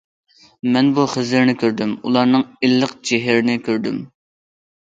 مەن بۇ خىزىرنى كۆردۈم، ئۇلارنىڭ ئىللىق چېھرىنى كۆردۈم.